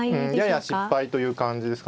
やや失敗という感じですか。